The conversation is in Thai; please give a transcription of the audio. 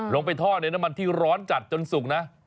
ลงไปทอดในน้ำมันที่ร้อนจัดจนสุกนะ